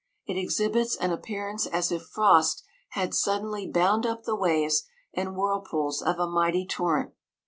It exhibits an appearance as if frost had suddenly bound up the waves and whirlpools of a mighty tor rent.